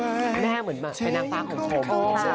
นึกถามแม่เหมือนมาเป็นนางฟ้าของผม